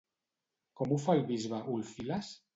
Com ho fa el bisbe Ulfilas?